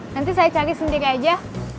nanti saya cari sendiri aja